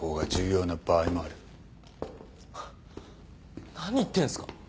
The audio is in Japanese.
ハッ何言ってんすか。